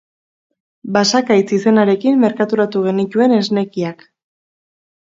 Basakaitz izenarekin merkaturatu genituen esnekiak.